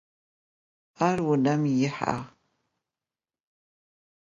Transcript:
Ar vunem yihağ.